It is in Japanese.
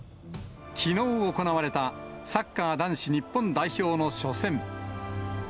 きのう行われたサッカー男子日本代表の初戦。